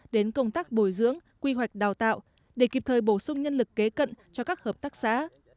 đến công tác bồi dưỡng quy hoạch đào tạo để kịp thời bổ sung nhân lực kế cận cho các hợp tác xã